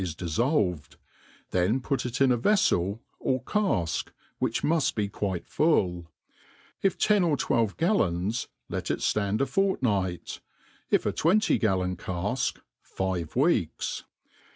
if diffolved, then put it in a veflel or cafk, which muft be quite fulU If ten or twelve gaHoM^ let it ftand a fort* night; if a twenty gallon calk, five weeks.